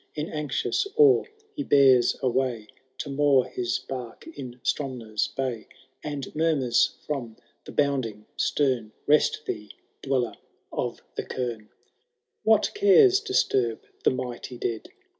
In anxious awe he bears away To moor his bark in Stromna\i bay, And murmurs from the bounding stem, * Best thee, Dweller of the Caim !*^ What cares disturb the mighty dead